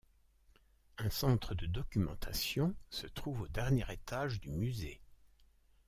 Un centre de documentation se trouve au dernier étage du musée.